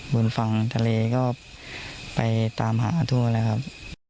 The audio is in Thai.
บนฝั่งทะเลก็ไปตามหาทั่วแล้วครับ